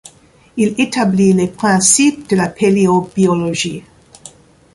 Il établit les principes de la paléobiologie.